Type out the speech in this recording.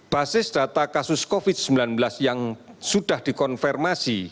basis data kasus covid sembilan belas yang sudah dikonfirmasi